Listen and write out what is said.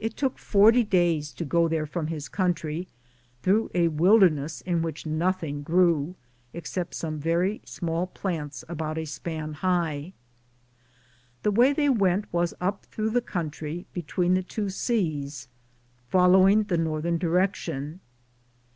It took forty days to go ligirized I:, G00gk' THE JOURNEY OP CORONADO there from his country, through a wilderness in which nothing grew, except some very small plants about a span high. The way they went was up through the country be tween the two seas, following the northern direction.